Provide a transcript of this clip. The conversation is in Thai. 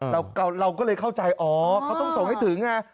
เราก็เลยเข้าใจอ๋อเขาต้องส่งให้ถึงไง